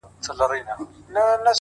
په خيال كي ستا سره ياري كومه-